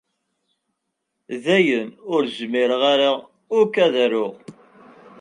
Dayen ur zmireƔ ara ukk ad aruƔ.